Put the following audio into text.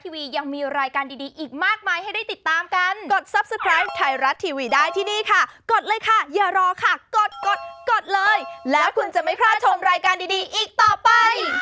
วันนี้ขอบคุณมากค่ะสวัสดีค่ะ